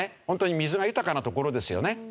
本当に水が豊かな所ですよね。